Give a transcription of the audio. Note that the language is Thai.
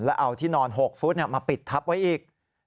แล้วเอาที่นอน๖ฟุตมาปิดทับไว้อีก